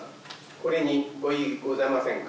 これにご異議ございませんか？